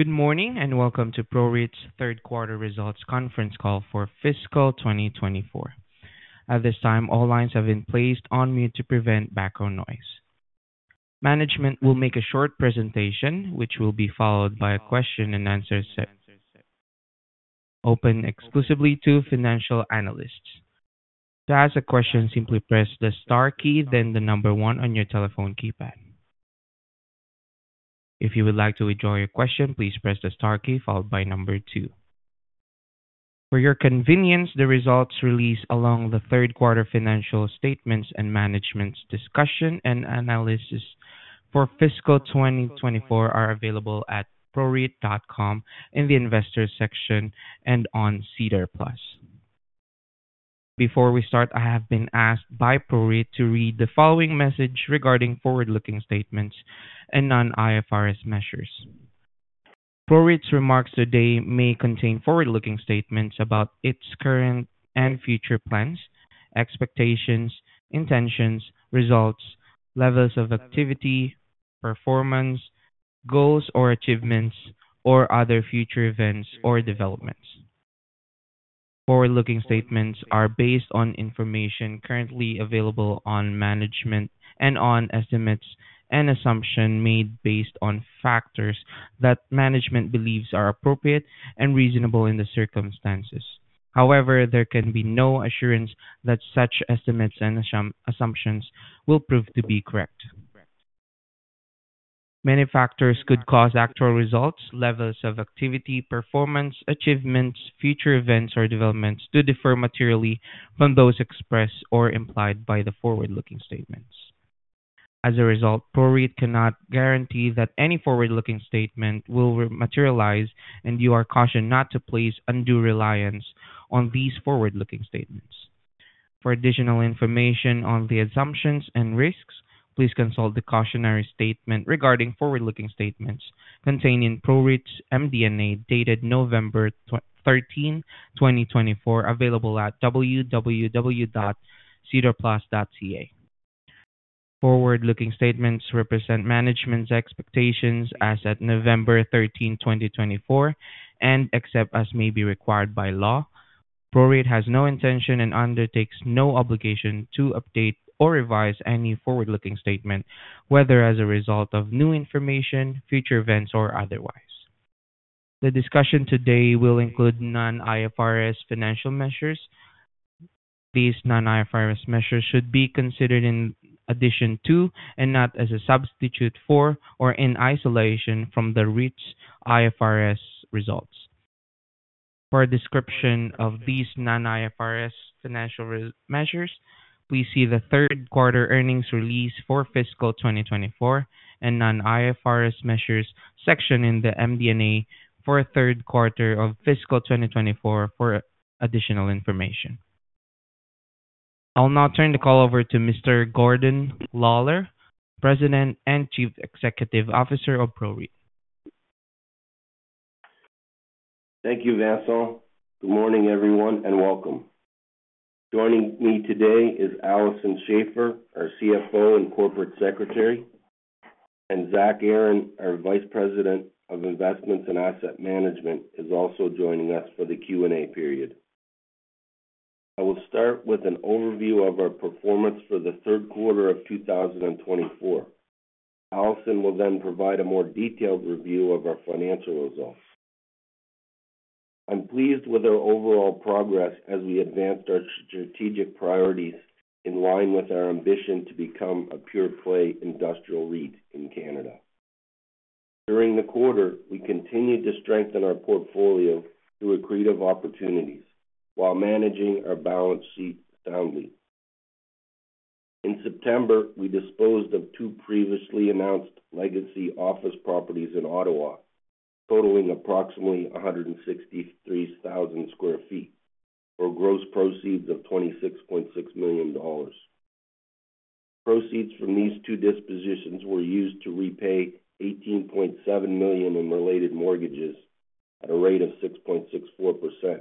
Good morning and welcome to PROREIT's third quarter results conference call for fiscal 2024. At this time, all lines have been placed on mute to prevent background noise. Management will make a short presentation, which will be followed by a question-and-answer session open exclusively to financial analysts. To ask a question, simply press the * key, then the number 1 on your telephone keypad. If you would like to withdraw your question, please press the * key followed by number 2. For your convenience, the results released along the third quarter financial statements and management's discussion and analysis for fiscal 2024 are available at proreit.com in the investors section and on SEDAR+. Before we start, I have been asked by PROREIT to read the following message regarding forward-looking statements and non-IFRS measures. PROREIT's remarks today may contain forward-looking statements about its current and future plans, expectations, intentions, results, levels of activity, performance, goals or achievements, or other future events or developments. Forward-looking statements are based on information currently available on management and on estimates and assumptions made based on factors that management believes are appropriate and reasonable in the circumstances. However, there can be no assurance that such estimates and assumptions will prove to be correct. Many factors could cause actual results, levels of activity, performance, achievements, future events, or developments to differ materially from those expressed or implied by the forward-looking statements. As a result, PROREIT cannot guarantee that any forward-looking statement will materialize, and you are cautioned not to place undue reliance on these forward-looking statements. For additional information on the assumptions and risks, please consult the cautionary statement regarding forward-looking statements contained in PROREIT's MD&A dated November 13, 2024, available at www.sedarplus.ca. Forward-looking statements represent management's expectations as at November 13, 2024, and except as may be required by law. PROREIT has no intention and undertakes no obligation to update or revise any forward-looking statement, whether as a result of new information, future events, or otherwise. The discussion today will include non-IFRS financial measures. These non-IFRS measures should be considered in addition to and not as a substitute for or in isolation from the IFRS results. For a description of these non-IFRS financial measures, please see the third quarter earnings release for fiscal 2024 and non-IFRS measures section in the MD&A for third quarter of fiscal 2024 for additional information. I'll now turn the call over to Mr. Gordon Lawlor, President and Chief Executive Officer of PROREIT. Thank you, Nelson. Good morning, everyone, and welcome. Joining me today is Alison Schafer, our CFO and Corporate Secretary, and Zach Aaron, our Vice President of Investments and Asset Management, is also joining us for the Q&A period. I will start with an overview of our performance for the third quarter of 2024. Alison will then provide a more detailed review of our financial results. I'm pleased with our overall progress as we advanced our strategic priorities in line with our ambition to become a pure-play industrial REIT in Canada. During the quarter, we continued to strengthen our portfolio through accretive opportunities while managing our balance sheet soundly. In September, we disposed of two previously announced legacy office properties in Ottawa, totaling approximately 163,000 sq ft for gross proceeds of 26.6 million dollars. Proceeds from these two dispositions were used to repay 18.7 million in related mortgages at a rate of 6.64%,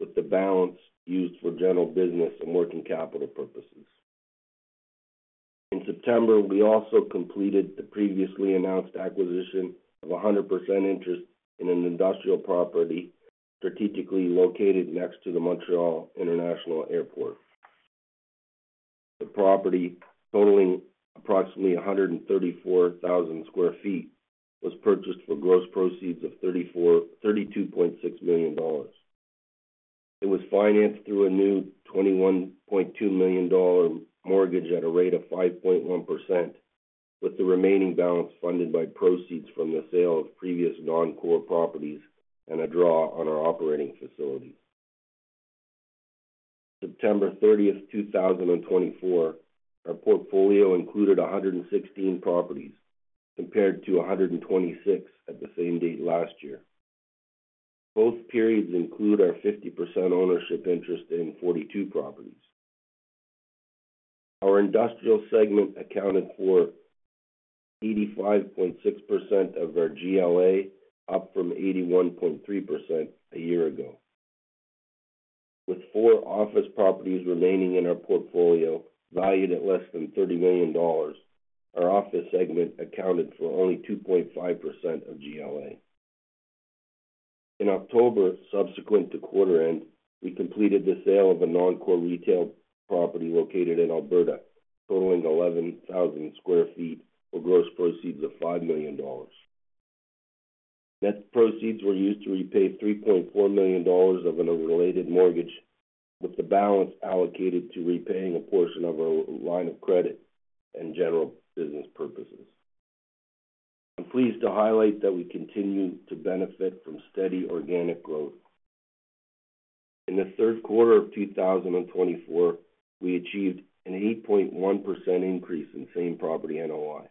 with the balance used for general business and working capital purposes. In September, we also completed the previously announced acquisition of 100% interest in an industrial property strategically located next to the Montreal International Airport. The property, totaling approximately 134,000 sq ft, was purchased for gross proceeds of 32.6 million dollars. It was financed through a new 21.2 million dollar mortgage at a rate of 5.1%, with the remaining balance funded by proceeds from the sale of previous non-core properties and a draw on our operating facilities. September 30, 2024, our portfolio included 116 properties, compared to 126 at the same date last year. Both periods include our 50% ownership interest in 42 properties. Our industrial segment accounted for 85.6% of our GLA, up from 81.3% a year ago. With four office properties remaining in our portfolio valued at less than 30 million dollars, our office segment accounted for only 2.5% of GLA. In October, subsequent to quarter end, we completed the sale of a non-core retail property located in Alberta, totaling 11,000 sq ft for gross proceeds of 5 million dollars. Net proceeds were used to repay 3.4 million dollars of an unrelated mortgage, with the balance allocated to repaying a portion of our line of credit and general business purposes. I'm pleased to highlight that we continue to benefit from steady organic growth. In the third quarter of 2024, we achieved an 8.1% increase in same property NOI,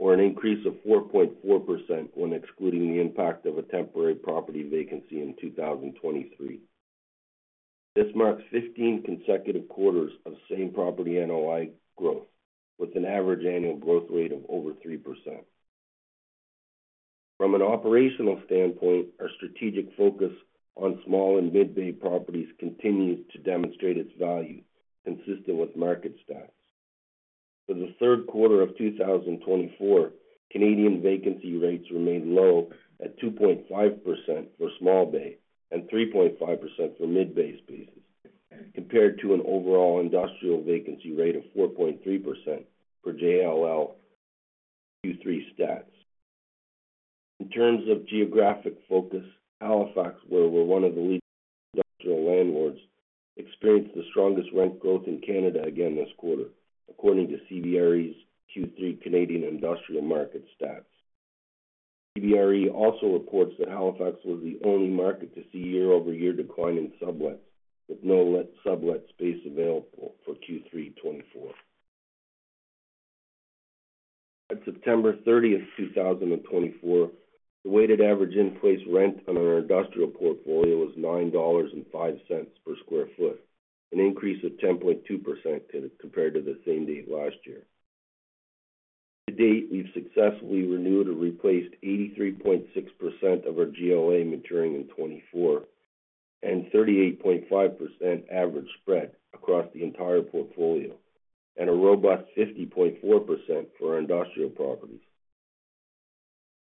or an increase of 4.4% when excluding the impact of a temporary property vacancy in 2023. This marks 15 consecutive quarters of same property NOI growth, with an average annual growth rate of over 3%. From an operational standpoint, our strategic focus on small and mid-bay properties continues to demonstrate its value, consistent with market status. For the third quarter of 2024, Canadian vacancy rates remained low at 2.5% for small bay and 3.5% for mid-bay spaces, compared to an overall industrial vacancy rate of 4.3% per JLL Q3 stats. In terms of geographic focus, Halifax, where we're one of the lead industrial landlords, experienced the strongest rent growth in Canada again this quarter, according to CBRE's Q3 Canadian industrial market stats. CBRE also reports that Halifax was the only market to see year-over-year decline in sublets, with no sublet space available for Q3 2024. At September 30, 2024, the weighted average in place rent on our industrial portfolio was 9.05 per sq ft, an increase of 10.2% compared to the same date last year. To date, we've successfully renewed or replaced 83.6% of our GLA maturing in 2024 and 38.5% average spread across the entire portfolio, and a robust 50.4% for our industrial properties.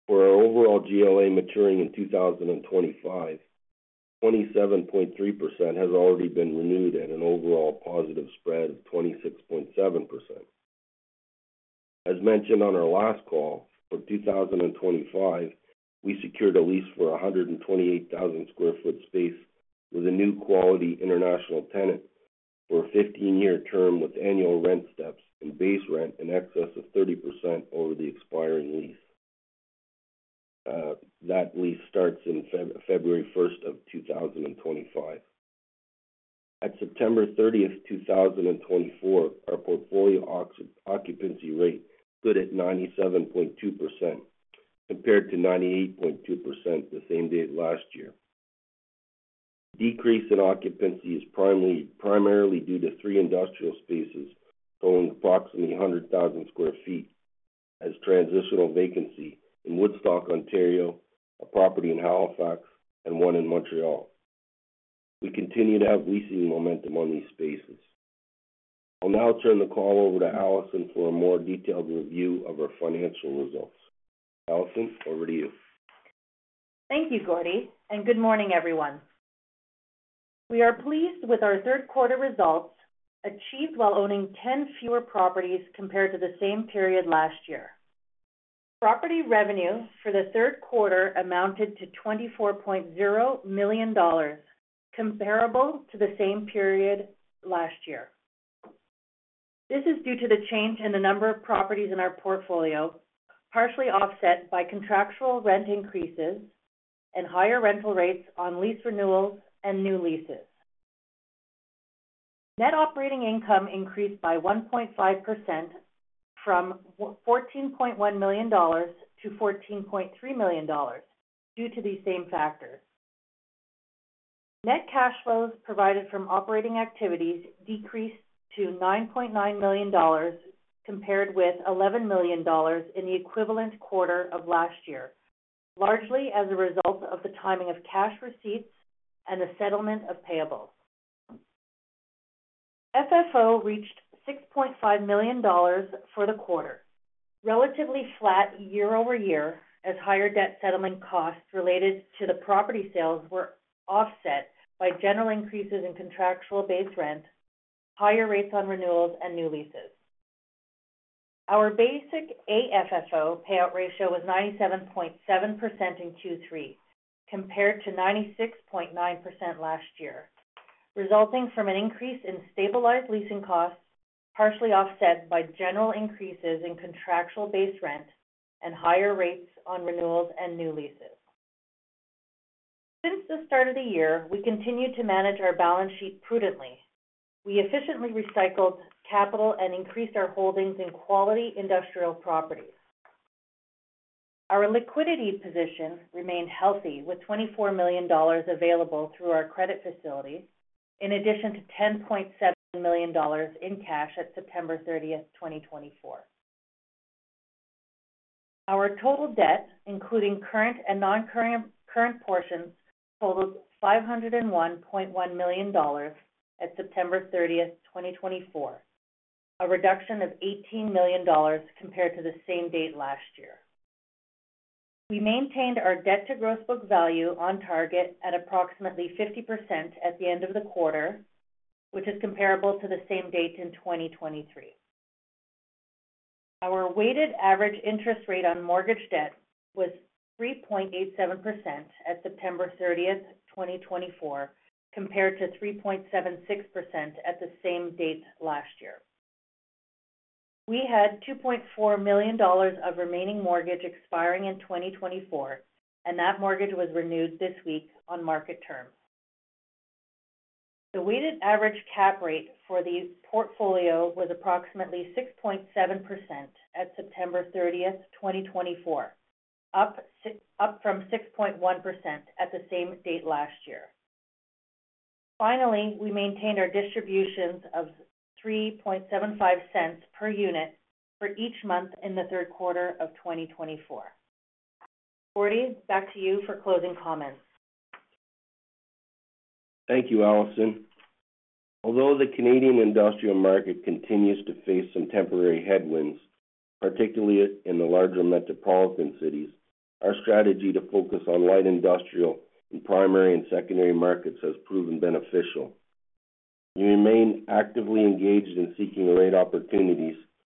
For our overall GLA maturing in 2025, 27.3% has already been renewed at an overall positive spread of 26.7%. As mentioned on our last call for 2025, we secured a lease for 128,000 sq ft space with a new quality international tenant for a 15-year term with annual rent steps and base rent in excess of 30% over the expiring lease. That lease starts in February 1, 2025. At September 30, 2024, our portfolio occupancy rate stood at 97.2%, compared to 98.2% the same date last year. The decrease in occupancy is primarily due to three industrial spaces totaling approximately 100,000 sq ft as transitional vacancy in Woodstock, Ontario, a property in Halifax, and one in Montreal. We continue to have leasing momentum on these spaces. I'll now turn the call over to Alison for a more detailed review of our financial results. Alison, over to you. Thank you, Gordon, and good morning, everyone. We are pleased with our third quarter results achieved while owning 10 fewer properties compared to the same period last year. Property revenue for the third quarter amounted to 24.0 million dollars, comparable to the same period last year. This is due to the change in the number of properties in our portfolio, partially offset by contractual rent increases and higher rental rates on lease renewals and new leases. Net operating income increased by 1.5% from 14.1 million dollars to 14.3 million dollars due to these same factors. Net cash flows provided from operating activities decreased to 9.9 million dollars, compared with 11 million dollars in the equivalent quarter of last year, largely as a result of the timing of cash receipts and the settlement of payables. FFO reached 6.5 million dollars for the quarter, relatively flat year-over-year as higher debt settlement costs related to the property sales were offset by general increases in contractual base rent, higher rates on renewals, and new leases. Our basic AFFO payout ratio was 97.7% in Q3, compared to 96.9% last year, resulting from an increase in stabilized leasing costs, partially offset by general increases in contractual base rent and higher rates on renewals and new leases. Since the start of the year, we continued to manage our balance sheet prudently. We efficiently recycled capital and increased our holdings in quality industrial properties. Our liquidity position remained healthy, with 24 million dollars available through our credit facilities, in addition to 10.7 million dollars in cash at September 30, 2024. Our total debt, including current and non-current portions, totaled 501.1 million dollars at September 30, 2024, a reduction of 18 million dollars compared to the same date last year. We maintained our debt-to-gross book value on target at approximately 50% at the end of the quarter, which is comparable to the same date in 2023. Our weighted average interest rate on mortgage debt was 3.87% at September 30, 2024, compared to 3.76% at the same date last year. We had 2.4 million dollars of remaining mortgage expiring in 2024, and that mortgage was renewed this week on market terms. The weighted average cap rate for the portfolio was approximately 6.7% at September 30, 2024, up from 6.1% at the same date last year. Finally, we maintained our distributions of 3.75 per unit for each month in the third quarter of 2024. Gordon, back to you for closing comments. Thank you, Alison. Although the Canadian industrial market continues to face some temporary headwinds, particularly in the larger metropolitan cities, our strategy to focus on light industrial and primary and secondary markets has proven beneficial. We remain actively engaged in seeking rate opportunities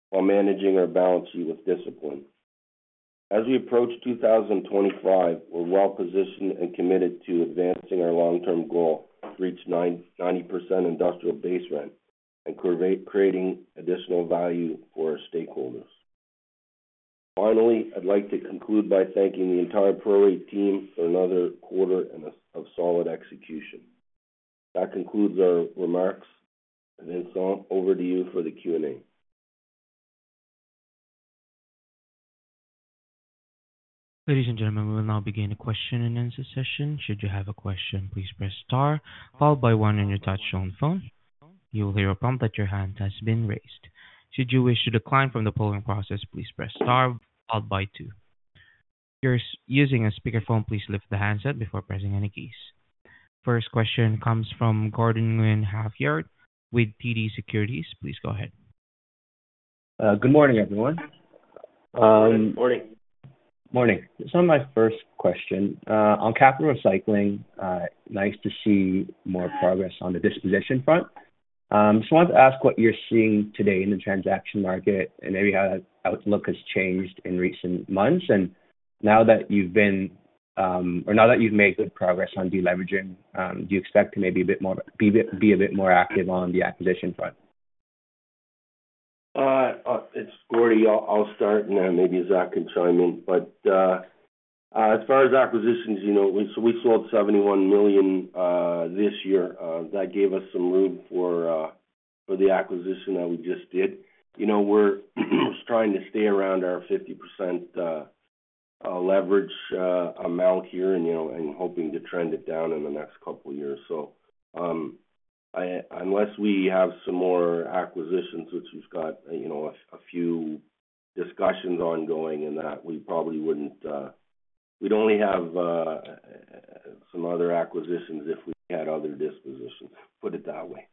while managing our balance sheet with discipline. As we approach 2025, we're well positioned and committed to advancing our long-term goal to reach 90% industrial base rent and creating additional value for our stakeholders. Finally, I'd like to conclude by thanking the entire PROREIT team for another quarter of solid execution. That concludes our remarks, and then over to you for the Q&A. Ladies and gentlemen, we will now begin a question-and-answer session. Should you have a question, please press *, followed by 1 on your touch-tone phone. You will hear a prompt that your hand has been raised. Should you wish to decline from the polling process, please press *, followed by 2. If you're using a speakerphone, please lift the handset before pressing any keys. First question comes from Gordon Nguyen Half Yard with TD Securities. Please go ahead. Good morning, everyone. Good morning. Morning. So my first question, on capital recycling, nice to see more progress on the disposition front. Just wanted to ask what you're seeing today in the transaction market and maybe how that outlook has changed in recent months. And now that you've been, or now that you've made good progress on deleveraging, do you expect to maybe be a bit more active on the acquisition front? It's Gordon. I'll start, and then maybe Zach can chime in. But as far as acquisitions, we sold 71 million this year. That gave us some room for the acquisition that we just did. We're trying to stay around our 50% leverage amount here and hoping to trend it down in the next couple of years. So unless we have some more acquisitions, which we've got a few discussions ongoing in that, we probably wouldn't. We'd only have some other acquisitions if we had other dispositions, put it that way.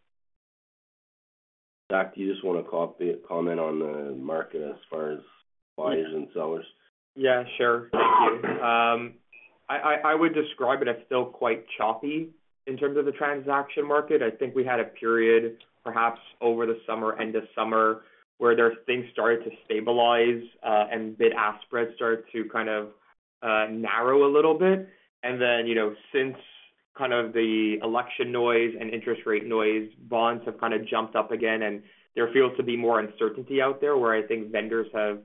Zach, do you just want to comment on the market as far as buyers and sellers? Yeah, sure. Thank you. I would describe it as still quite choppy in terms of the transaction market. I think we had a period, perhaps over the summer, end of summer, where things started to stabilize and bid-ask spreads started to kind of narrow a little bit, and then since kind of the election noise and interest rate noise, bonds have kind of jumped up again, and there feels to be more uncertainty out there, where I think vendors have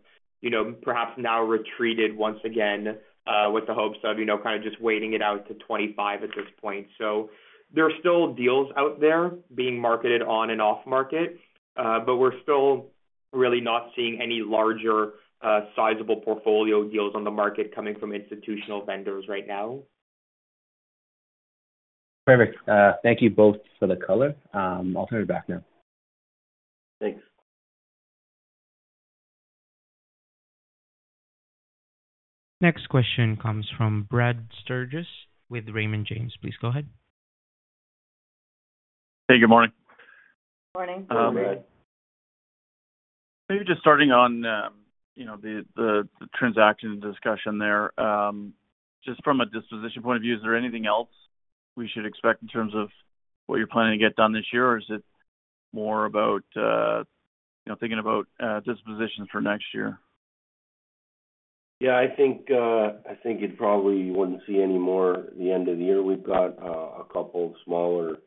perhaps now retreated once again with the hopes of kind of just waiting it out to 2025 at this point, so there are still deals out there being marketed on and off-market, but we're still really not seeing any larger sizable portfolio deals on the market coming from institutional vendors right now. Perfect. Thank you both for the color. I'll turn it back now. Thanks. Next question comes from Brad Sturges with Raymond James. Please go ahead. Hey, good morning. Good morning. Good morning, Brad. Maybe just starting on the transaction discussion there, just from a disposition point of view, is there anything else we should expect in terms of what you're planning to get done this year, or is it more about thinking about dispositions for next year? Yeah, I think you'd probably wouldn't see any more at the end of the year. We've got a couple of smaller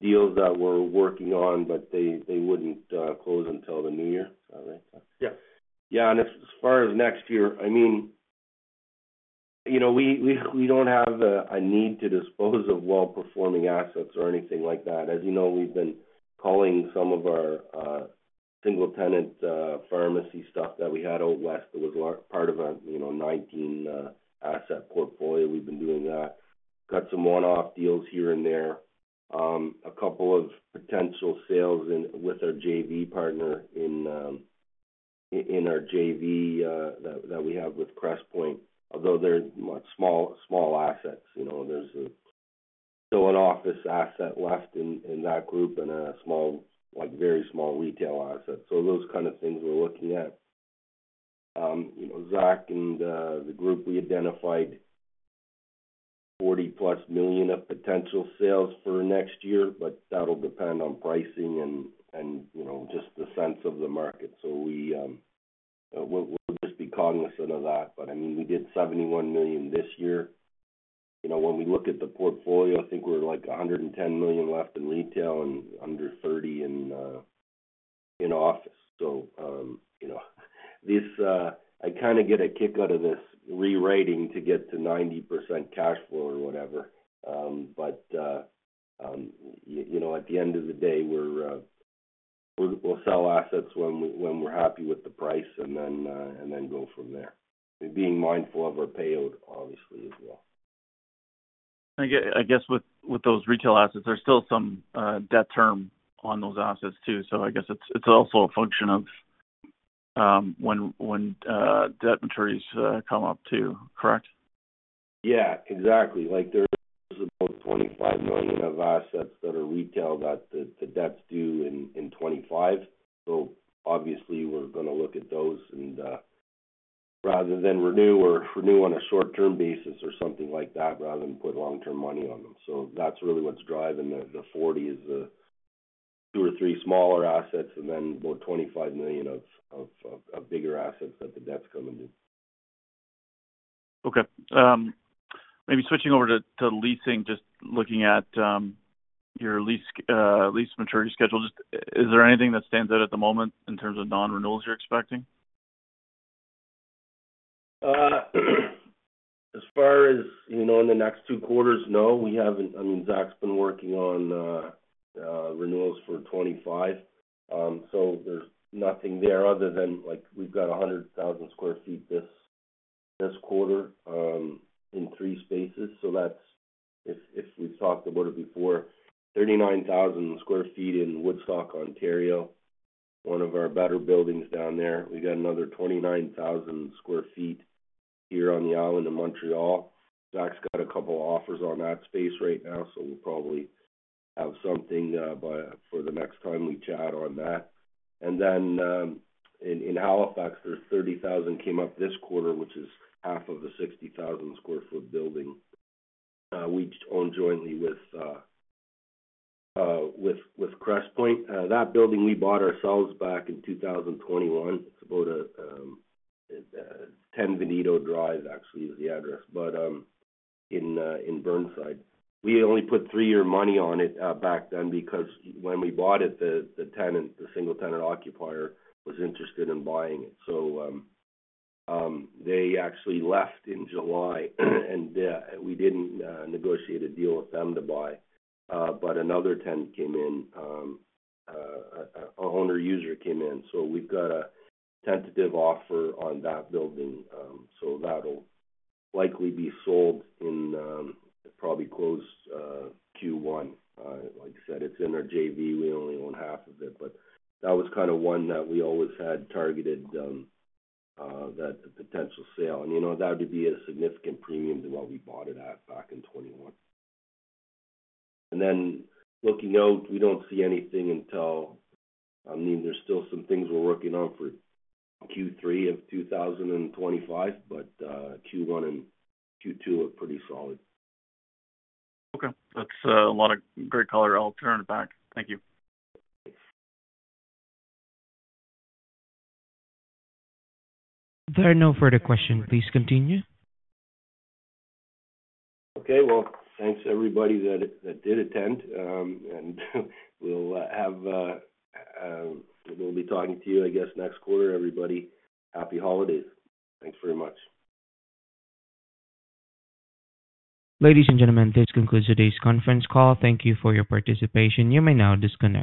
deals that we're working on, but they wouldn't close until the new year. Is that right? Yeah. Yeah, and as far as next year, I mean, we don't have a need to dispose of well-performing assets or anything like that. As you know, we've been culling some of our single-tenant pharmacy stuff that we had out west that was part of a 19-asset portfolio. We've been doing that. Got some one-off deals here and there. A couple of potential sales with our JV partner in our JV that we have with Crestpoint, although they're small assets. There's still an office asset left in that group and a very small retail asset. So those kind of things we're looking at. Zach and the group, we identified 40-plus million of potential sales for next year, but that'll depend on pricing and just the sense of the market. So we'll just be cognizant of that. But I mean, we did 71 million this year. When we look at the portfolio, I think we're like 110 million left in retail and under 30 million in office. So I kind of get a kick out of this reweighting to get to 90% cash flow or whatever. But at the end of the day, we'll sell assets when we're happy with the price and then go from there, being mindful of our payout, obviously, as well. I guess with those retail assets, there's still some debt term on those assets too. So I guess it's also a function of when debt maturities come up too, correct? Yeah, exactly. There's about 25 million of assets that are retail that the debts due in 2025. So obviously, we're going to look at those rather than renew or renew on a short-term basis or something like that rather than put long-term money on them. So that's really what's driving the 40 is two or three smaller assets and then about 25 million of bigger assets that the debts come into. Okay. Maybe switching over to leasing, just looking at your lease maturity schedule, is there anything that stands out at the moment in terms of non-renewals you're expecting? As far as in the next two quarters, no. I mean, Zach's been working on renewals for 2025. So there's nothing there other than we've got 100,000 sq ft this quarter in three spaces. So if we've talked about it before, 39,000 sq ft in Woodstock, Ontario, one of our better buildings down there. We've got another 29,000 sq ft here on the island of Montreal. Zach's got a couple of offers on that space right now, so we'll probably have something for the next time we chat on that. And then in Halifax, there's 30,000 sq ft came up this quarter, which is half of the 60,000 sq ft building we own jointly with Crestpoint. That building we bought ourselves back in 2021. 10 Vidito Drive, actually, is the address, but in Burnside. We only put three-year money on it back then because when we bought it, the single-tenant occupier was interested in buying it. So they actually left in July, and we didn't negotiate a deal with them to buy. But another tenant came in, an owner-user came in. So we've got a tentative offer on that building. So that'll likely be sold in probably close Q1. Like I said, it's in our JV. We only own half of it. But that was kind of one that we always had targeted that potential sale, and that would be a significant premium to what we bought it at back in 2021. Then looking out, we don't see anything until I mean, there's still some things we're working on for Q3 of 2025, but Q1 and Q2 are pretty solid. Okay. That's a lot of great color. I'll turn it back. Thank you. Thanks. There are no further questions. Please continue. Okay, well, thanks, everybody that did attend, and we'll be talking to you, I guess, next quarter, everybody. Happy holidays. Thanks very much. Ladies and gentlemen, this concludes today's conference call. Thank you for your participation. You may now disconnect.